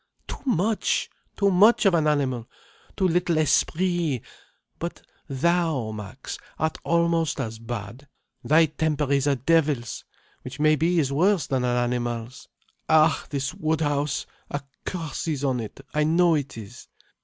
Too much, too much of an animal, too little esprit. But thou, Max, art almost as bad. Thy temper is a devil's, which maybe is worse than an animal's. Ah, this Woodhouse, a curse is on it, I know it is.